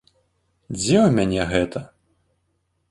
Дзе ў мяне гэта?